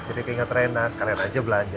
jadi kayaknya rena sekalian aja belanja